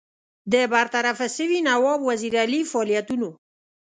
د برطرفه سوي نواب وزیر علي فعالیتونو.